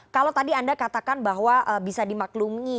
kalau tadi anda katakan bahwa bisa dimaklumi